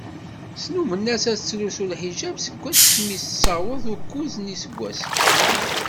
Snummen-as ad tettlusu lḥiǧab seg imi tessaweḍ ukuẓ n yiseggasen.